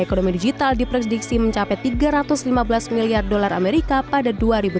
ekonomi digital diprediksi mencapai tiga ratus lima belas miliar dolar amerika pada dua ribu dua puluh